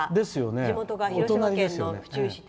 地元が広島県の府中市で。